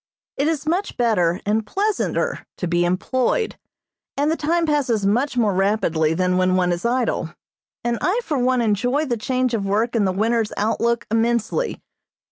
It is much better and pleasanter to be employed, and the time passes much more rapidly than when one is idle, and I for one enjoy the change of work and the winter's outlook immensely.